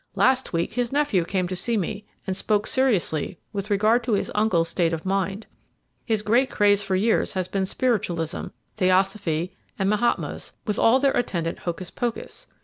Last week his nephew came to see me, and spoke seriously with regard to his uncle's state of mind. His great craze for years has been spiritualism, theosophy, and mahatmas, with all their attendant hocus pocus.